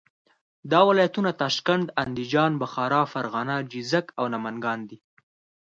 دا ولایتونه تاشکند، اندیجان، بخارا، فرغانه، جیزک او نمنګان دي.